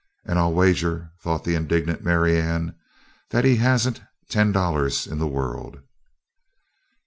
"And I'll wager," thought the indignant Marianne, "that he hasn't ten dollars in the world!"